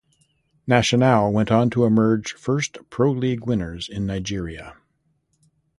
Nationale went on to emerge first pro league winners in Nigeria.